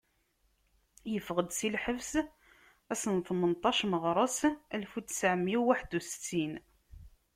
Yeffey-d si lhebs ass n, tmenṭax meɣres alef u ttɛemya u waḥ€d u settin.